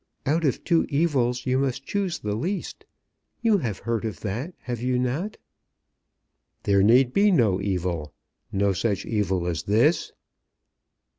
"Out of two evils you must choose the least. You have heard of that, have you not?" "There need be no evil; no such evil as this."